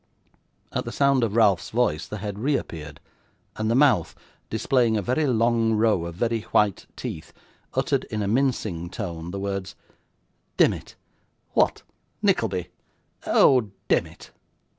At the sound of Ralph's voice, the head reappeared, and the mouth, displaying a very long row of very white teeth, uttered in a mincing tone the words, 'Demmit. What, Nickleby! oh, demmit!